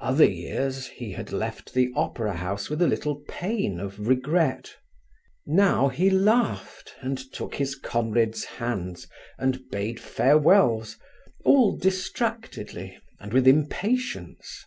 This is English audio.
Other years he had left the opera house with a little pain of regret. Now he laughed, and took his comrades' hands, and bade farewells, all distractedly, and with impatience.